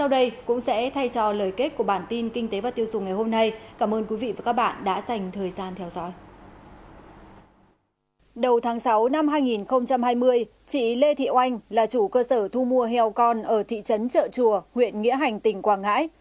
đầu tháng sáu năm hai nghìn hai mươi chị lê thị oanh là chủ cơ sở thu mua heo con ở thị trấn trợ chùa huyện nghĩa hành tỉnh quảng ngãi